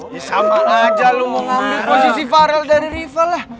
ya sama aja lo mau ngambil posisi farel dari riva lah